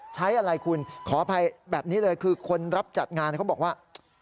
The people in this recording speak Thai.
ใช้อะไรคุณขออภัยแบบนี้เลยคือคนรับจัดงานเขาบอกว่า